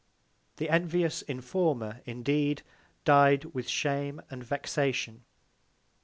The envious Informer indeed, died with Shame and Vexation.